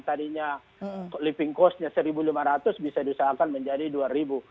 tadinya living costnya rp satu lima ratus bisa disahakan menjadi rp dua